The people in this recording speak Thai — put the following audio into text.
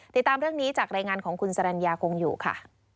ติดตามเรื่องนี้จากรายงานของคุณสรรญาคงอยู่ค่ะ